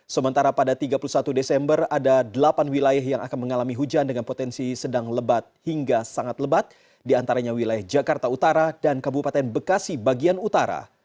sementara pada tiga puluh satu desember ada delapan wilayah yang akan mengalami hujan dengan potensi sedang lebat hingga sangat lebat diantaranya wilayah jakarta utara dan kabupaten bekasi bagian utara